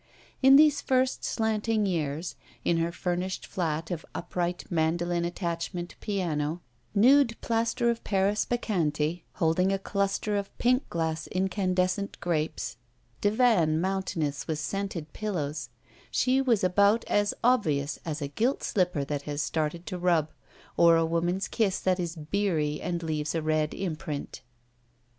In these first slanting years, in her furnished flat of upright, mandolin attachment piano, nude plaster of Paris Bacchante holding a cluster of pink glass incandescent grapes, divan mountainous with scented pillows, she was about as obvious as a gilt slipper that has started to rub, or a woman's kiss that is beery and leaves a red imprint.